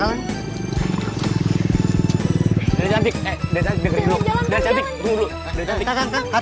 kan kan kan kan kan kan kan kan kan kan